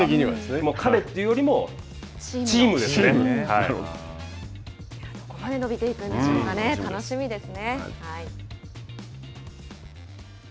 彼というよりもどこまで伸びていくんでしょうかね楽しみですね。